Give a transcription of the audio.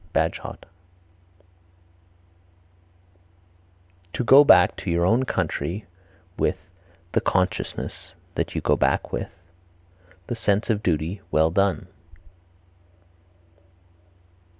Bagehot. To go back to your own country with (the consciousness that you go back with) the sense of duty well done.